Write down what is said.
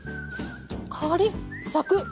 カリッサクッ！